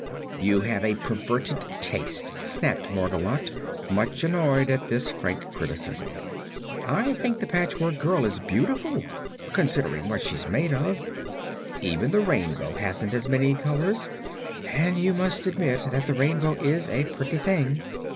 "You have a perverted taste," snapped Margolotte, much annoyed at this frank criticism. "I think the Patchwork Girl is beautiful, considering what she's made of. Even the rainbow hasn't as many colors, and you must admit that the rainbow is a pretty thing."